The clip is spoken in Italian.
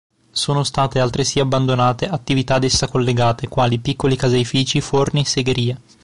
Sono state altresì abbandonate attività ad essa collegate quali piccoli caseifici, forni, segherie.